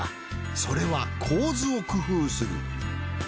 それは構図を工夫する。